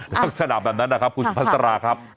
ลักษณะแบบนั้นนะครับคุณสุภาษาครับ